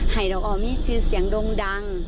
ให้ดอกอ้อมีชื่อเสียงโด่งดัง